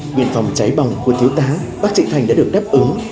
nguyện phòng cháy bồng của thiếu tá bác trịnh thành đã được đáp ứng